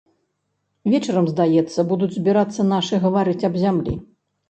Вечарам, здаецца, будуць збірацца нашы гаварыць аб зямлі.